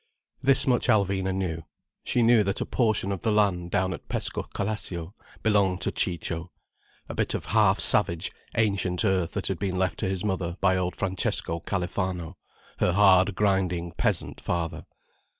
This much Alvina knew. She knew that a portion of the land down at Pescocalascio belonged to Ciccio: a bit of half savage, ancient earth that had been left to his mother by old Francesco Califano, her hard grinding peasant father.